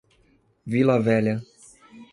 Vila Velha